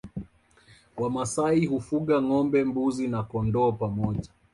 Wamasai hufuga ngombe mbuzi na kondoo pamoja